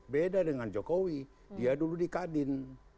beda dengan jokowi dia dulu di kadin